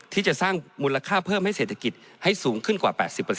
ที่จะสร้างมูลค่าเพิ่มให้เศรษฐกิจให้สูงขึ้นกว่า๘๐